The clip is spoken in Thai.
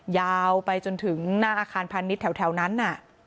ยาวไปจนถึงหน้าอาคารพาณิชย์แถวนั้นน่ะ